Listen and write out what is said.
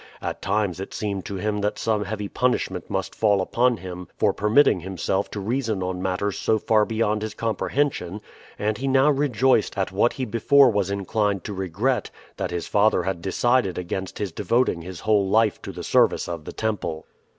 At times it seemed to him that some heavy punishment must fall upon him for permitting himself to reason on matters so far beyond his comprehension, and he now rejoiced at what he before was inclined to regret, that his father had decided against his devoting his whole life to the service of the temple.